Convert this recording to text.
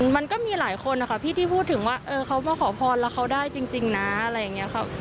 มันก็มีหลายคนนะคะพี่ที่พูดถึงว่าเขามาขอพรแล้วเขาได้จริงนะอะไรอย่างนี้ค่ะ